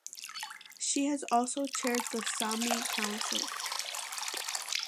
She has also chaired the Saami Council.